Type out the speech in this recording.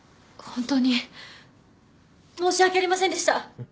ホントに申し訳ありませんでした！